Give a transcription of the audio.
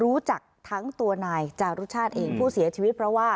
รู้จักทั้งตัวนายจารุชาติเองผู้เสียชีวิตเพราะว่า